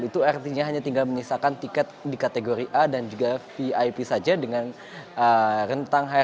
dan itu artinya hanya tinggal menisahkan tiket di kategori a dan juga vip saja dengan rentang harga